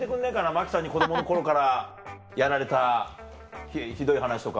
真木さんに子供の頃からやられたひどい話とか。